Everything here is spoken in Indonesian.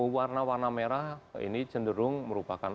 warna warna merah ini cenderung merupakan